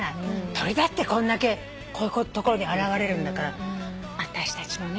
鳥だってこんだけこういうところに表れるんだから私たちもね